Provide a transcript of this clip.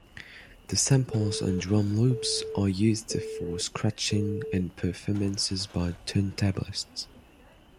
The samples and drum loops are used for scratching and performances by turntablists.